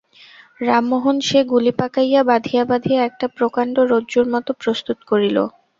রামমোহন সে গুলি পাকাইয়া বাঁধিয়া বাঁধিয়া একটা প্রকাণ্ড রজ্জুর মত প্রস্তুত করিল।